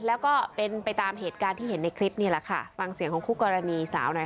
แล้วก็เป็นไปตามเหตุการณ์ที่เห็นในคลิปนี่แหละค่ะฟังเสียงของคู่กรณีสาวหน่อยค่ะ